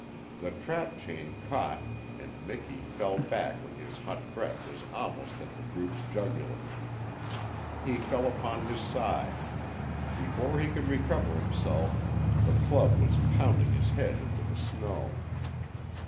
The trap chain caught, and Miki fell back when his hot breath was almost at The Brute's jugular. He fell upon his side. Before he could recover himself the club was pounding his head into the snow.